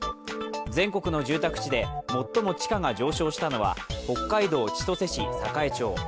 全国の住宅地で最も地価が上昇したのは北海道千歳市栄町。